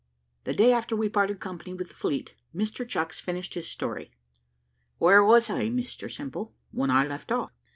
The day after we parted company with the fleet, Mr Chucks finished his story. "Where was I, Mr Simple, when I left off?"